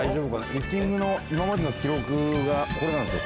リフティングの今までの記録がこれなんですよ